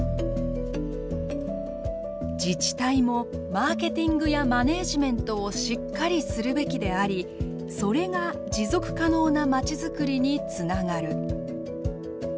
「自治体もマーケティングやマネージメントをしっかりするべきでありそれが持続可能なまちづくりにつながる」。